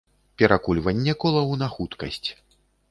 Перакульванне колаў на хуткасць.